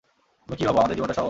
তুমি কি ভাবো, আমাদের জীবনটা সহজ?